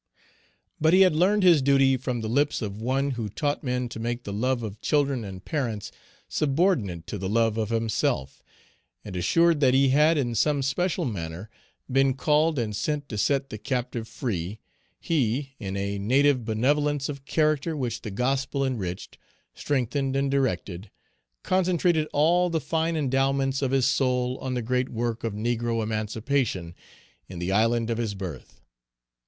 But he had learned his duty from the lips of One who taught men to make the love of children and parents subordinate to the love of himself; and assured that he had in some special manner been called and sent to set the captive free, he, in a native benevolence of character which the gospel enriched, strengthened, and directed, concentrated all the fine endowments of his soul on the great work of negro emancipation in the island of his birth.